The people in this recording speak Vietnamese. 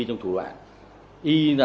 trong thủ đoạn